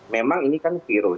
memang ini kan virus